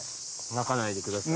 泣かないでください。